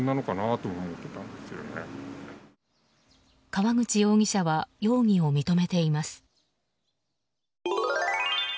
川口容疑者は容疑を認めています。